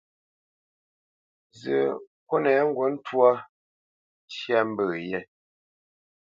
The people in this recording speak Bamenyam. Zə́, kúnɛ ŋgǔt ntwâ ntya mbə̄ yɛ́.